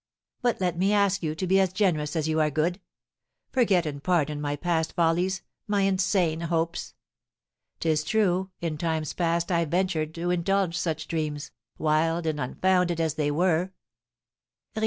But let me ask you to be as generous as you are good; forget and pardon my past follies, my insane hopes. 'Tis true, in times past I ventured to indulge such dreams, wild and unfounded as they were."